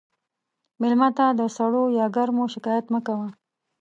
مېلمه ته د سړو یا ګرمو شکایت مه کوه.